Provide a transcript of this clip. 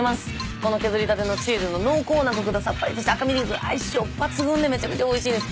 この削り立てのチーズの濃厚なコクとさっぱりとした赤身肉が相性抜群でめちゃくちゃおいしいです。